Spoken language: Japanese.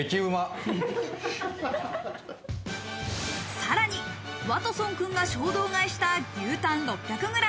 さらに、ワトソンくんが衝動買いした牛タン６００ｇ。